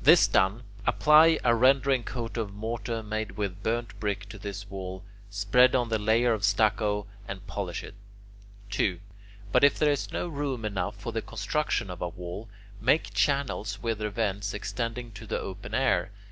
This done, apply a rendering coat of mortar made with burnt brick to this wall, spread on the layer of stucco, and polish it. 2. But if there is not room enough for the construction of a wall, make channels with their vents extending to the open air.